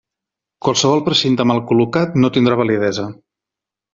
Qualsevol precinte mal col·locat no tindrà validesa.